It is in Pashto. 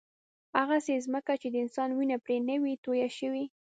هغسې ځمکه چې د انسان وینه پرې نه وي تویه شوې.